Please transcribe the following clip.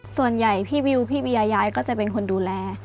ส่วนใหญ่พี่วิวพี่เบียยายก็จะเป็นคนดูแล